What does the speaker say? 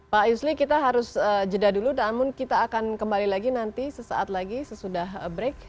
pak yusli kita harus jeda dulu namun kita akan kembali lagi nanti sesaat lagi sesudah break